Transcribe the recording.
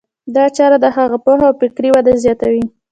دا چاره د هغه پوهه او فکري وده زیاتوي.